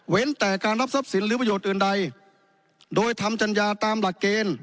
แต่การรับทรัพย์สินหรือประโยชน์อื่นใดโดยทำจัญญาตามหลักเกณฑ์